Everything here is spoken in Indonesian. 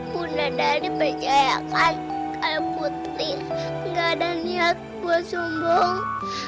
bunda dari percaya kan kalau putri gak ada niat buat sombong